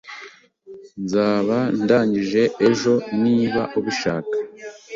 Nzaba ndangije ejo niba ubishaka